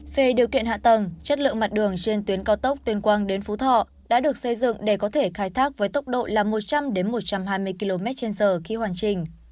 về điều kiện hạ tầng chất lượng mặt đường trên tuyến cao tốc tuyên quang đến phú thọ đã được xây dựng để có thể khai thác với tốc độ là một trăm linh một trăm hai mươi km trên giờ khi hoàn chỉnh